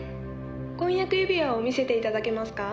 「婚約指輪を見せていただけますか？」